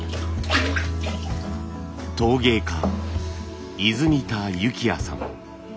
陶芸家泉田之也さん。